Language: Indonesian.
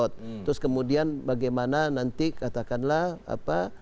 terus kemudian bagaimana nanti katakanlah apa